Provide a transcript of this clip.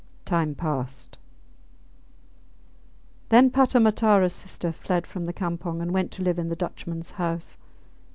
Time passed. Then Pata Mataras sister fled from the campong and went to live in the Dutchmans house.